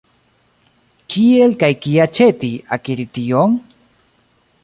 Kiel kaj kie aĉeti, akiri tion?